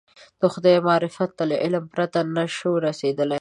د خدای معرفت ته له علم پرته نه شو رسېدلی.